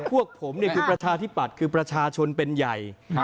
พวกผมคือประชาธิปัตย์คือประชาชนเป็นใหญ่